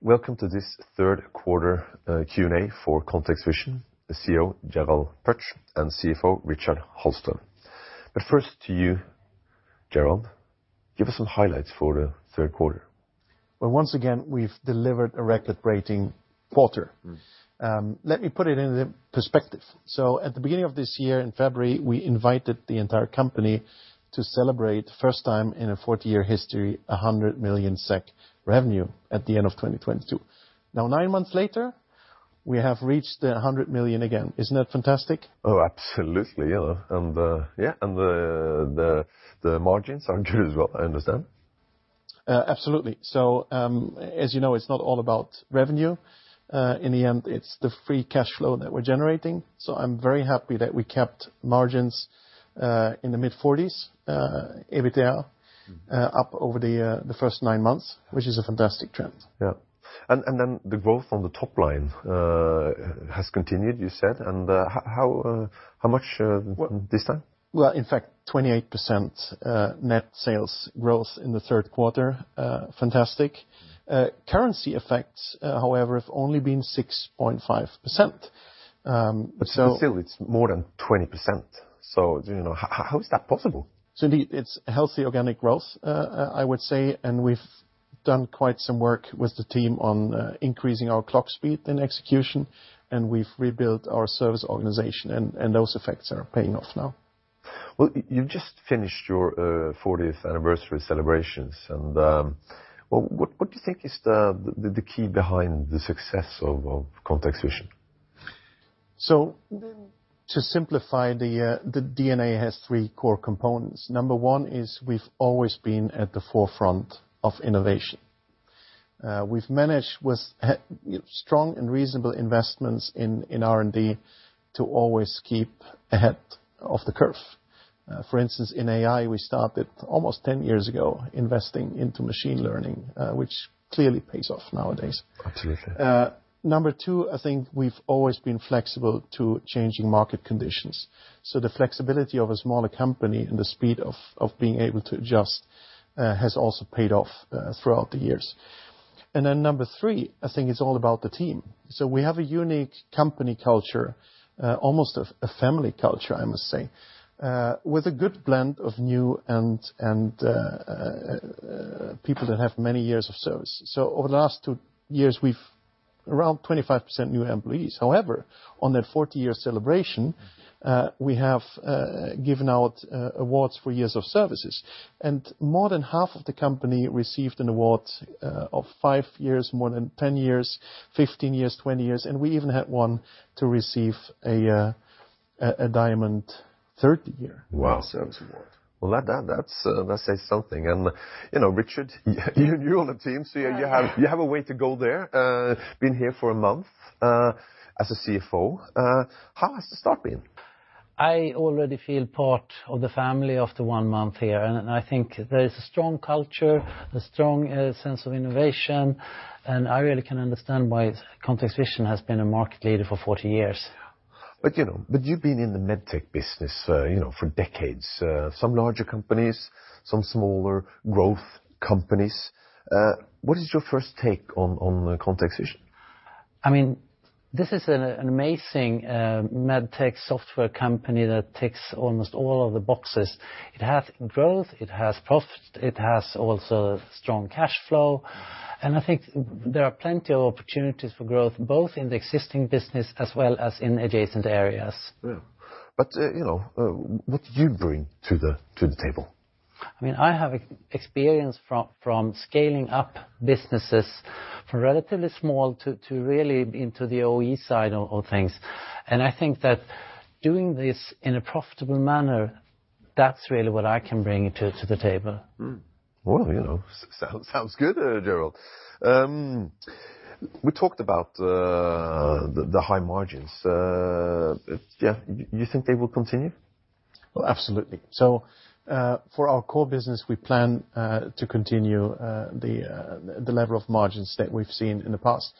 Welcome to this third quarter, Q&A for ContextVision, the CEO, Gerald Pötzsch, and CFO, Richard Hallström. But first to you, Gerald, give us some highlights for the third quarter. Well, once again, we've delivered a record-breaking quarter. Mm. Let me put it into perspective. So at the beginning of this year, in February, we invited the entire company to celebrate, first time in a 40-year history, 100 million SEK revenue at the end of 2022. Now, 9 months later, we have reached the 100 million again. Isn't that fantastic? Oh, absolutely. Yeah, and the margins are good as well, I understand? Absolutely. So, as you know, it's not all about revenue. In the end, it's the free cash flow that we're generating. So I'm very happy that we kept margins in the mid-40s, EBITDA- Mm. Up over the first nine months, which is a fantastic trend. Yeah. And then the growth on the top line has continued, you said, and how much this time? Well, in fact, 28%, net sales growth in the third quarter. Fantastic. Mm. Currency effects, however, have only been 6.5%. So- Still it's more than 20%, so, you know, how is that possible? So indeed, it's healthy organic growth, I would say, and we've done quite some work with the team on increasing our clock speed and execution, and we've rebuilt our service organization, and those effects are paying off now. Well, you just finished your 40th anniversary celebrations, and what do you think is the key behind the success of ContextVision? So to simplify, the DNA has three core components. Number one is we've always been at the forefront of innovation. We've managed with strong and reasonable investments in R&D to always keep ahead of the curve. For instance, in AI, we started almost 10 years ago, investing into machine learning, which clearly pays off nowadays. Absolutely. Number two, I think we've always been flexible to changing market conditions. So the flexibility of a smaller company and the speed of being able to adjust has also paid off throughout the years. And then number three, I think it's all about the team. So we have a unique company culture, almost a family culture, I must say, with a good blend of new and people that have many years of service. So over the last two years, we've around 25% new employees. However, on that 40-year celebration, we have given out awards for years of services, and more than half of the company received an award of five years, more than 10 years, 15 years, 20 years, and we even had one to receive a diamond, 30-year- Wow! -service award. Well, that says something. You know, Richard, you're new on the team, so you have- Yeah. You have a way to go there. Been here for a month, as a CFO. How has the start been? I already feel part of the family after one month here, and I think there is a strong culture, a strong sense of innovation, and I really can understand why ContextVision has been a market leader for 40 years. But, you know, you've been in the med tech business, you know, for decades, some larger companies, some smaller growth companies. What is your first take on ContextVision? I mean, this is an amazing med tech software company that ticks almost all of the boxes. It has growth, it has profit, it has also strong cash flow, and I think there are plenty of opportunities for growth, both in the existing business as well as in adjacent areas. Yeah. But, you know, what do you bring to the table? I mean, I have experience from scaling up businesses from relatively small to really into the OE side of things. And I think that doing this in a profitable manner, that's really what I can bring to the table. Well, you know, sounds good, Gerald. We talked about the high margins. Yeah, you think they will continue? Well, absolutely. So, for our core business, we plan to continue the level of margins that we've seen in the past.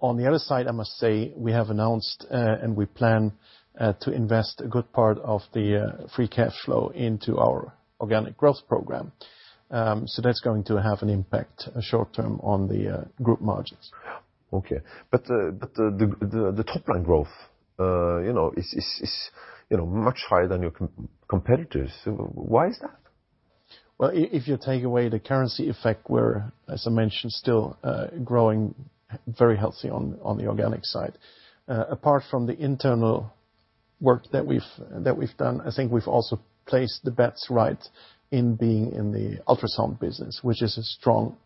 On the other side, I must say, we have announced and we plan to invest a good part of the free cash flow into our organic growth program. So that's going to have an impact short term on the group margins. Yeah. Okay. But the top-line growth, you know, is, you know, much higher than your competitors. Why is that? Well, if you take away the currency effect, we're, as I mentioned, still growing very healthy on the organic side. Apart from the internal work that we've done, I think we've also placed the bets right in being in the ultrasound business, which is a strong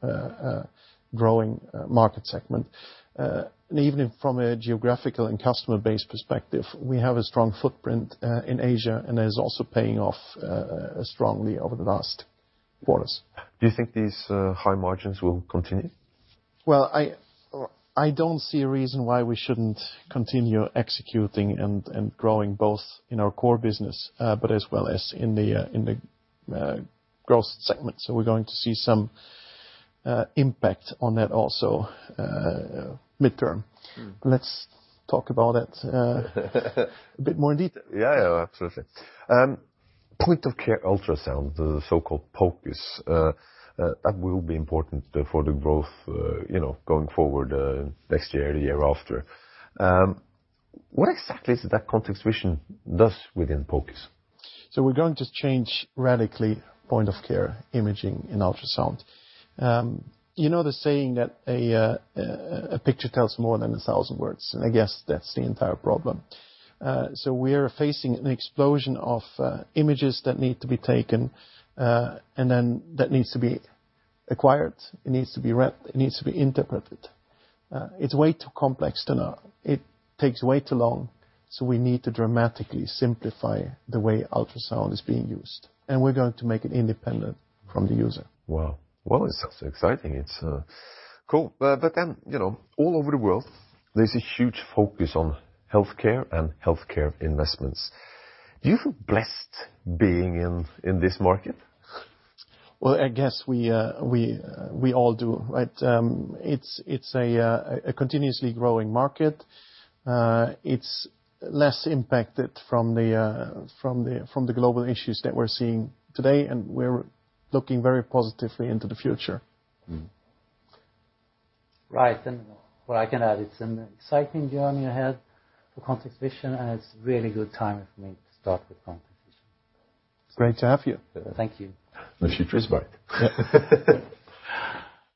growing market segment. And even from a geographical and customer-based perspective, we have a strong footprint in Asia, and that is also paying off strongly over the last quarters. Do you think these high margins will continue? Well, I don't see a reason why we shouldn't continue executing and growing both in our core business, but as well as in the growth segment. So we're going to see some impact on that also, midterm. Mm. Let's talk about it, a bit more in detail. Yeah, absolutely. Point-of-care ultrasound, the so-called POCUS, that will be important for the growth, you know, going forward, next year, the year after. What exactly is it that ContextVision does within focus? So we're going to change radically point-of-care imaging in ultrasound. You know the saying that a picture tells more than 1,000 words, and I guess that's the entire problem. So we are facing an explosion of images that need to be taken, and then that needs to be acquired, it needs to be read, it needs to be interpreted. It's way too complex to know. It takes way too long, so we need to dramatically simplify the way ultrasound is being used, and we're going to make it independent from the user. Wow. Well, it sounds exciting. It's cool. But then, you know, all over the world, there's a huge focus on healthcare and healthcare investments. Do you feel blessed being in this market? Well, I guess we all do, right? It's a continuously growing market. It's less impacted from the global issues that we're seeing today, and we're looking very positively into the future. Mm-hmm. Right. What I can add, it's an exciting journey ahead for ContextVision, and it's a really good time for me to start with ContextVision. It's great to have you. Thank you. Well, she feels right.